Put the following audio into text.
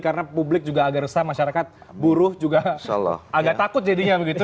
karena publik juga agak resah masyarakat buruh juga agak takut jadinya begitu